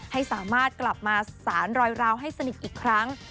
ให้สามารถกลับมาสารรอยราวให้สนิทอีกครั้ง